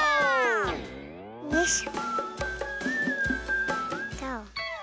よいしょ。